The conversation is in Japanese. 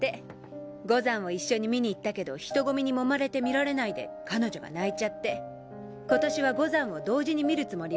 五山を一緒に見に行ったけど人込みにもまれて見られないで彼女が泣いちゃってことしは五山を同時に見るつもりらしいよ。